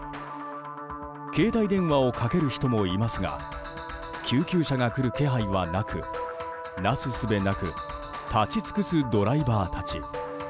携帯電話をかける人もいますが救急車が来る気配はなくなすすべなく立ち尽くすドライバーたち。